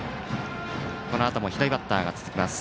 このあとも左バッターが続きます。